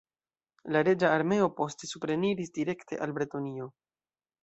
La reĝa armeo, poste supreniris direkte al Bretonio.